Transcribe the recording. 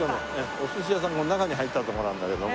お寿司屋さんが中に入ったとこなんだけども。